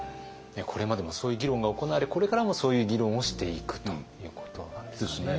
これまでもそういう議論が行われこれからもそういう議論をしていくということなんですかね。